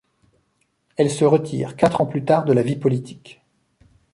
Elle se retire quatre ans plus tard de la vie politique.